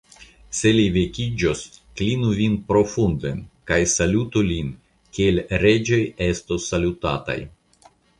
Se li vekiĝos, klinu vin profunden, kaj salutu lin, kiel reĝoj estu salutataj!